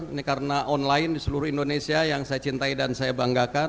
ini karena online di seluruh indonesia yang saya cintai dan saya banggakan